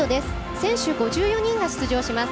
選手５４人が出場します。